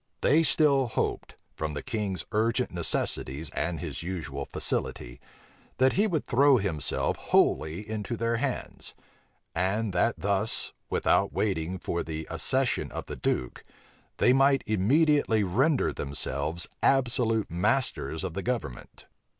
They still hoped, from the king's urgent necessities and his usual facility, that he would throw himself wholly into their hands; and that thus, without waiting for the accession of the duke, they might immediately render themselves absolute masters of the government.